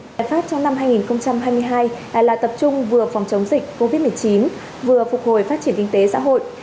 giải pháp trong năm hai nghìn hai mươi hai là tập trung vừa phòng chống dịch covid một mươi chín vừa phục hồi phát triển kinh tế xã hội